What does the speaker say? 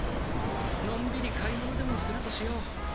のんびり買い物でもするとしよう。